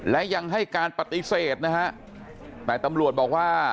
และยังให้การปฏิเสธนะฮะแต่ตำรวจบอกว่า